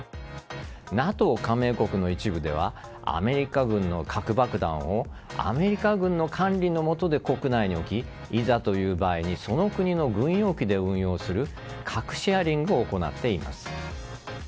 ＮＡＴＯ加盟国の一部ではアメリカ軍の核爆弾をアメリカ軍の管理の下で国内に置きいざという場合にその国の軍用機で運用する核シェアリングを行っています。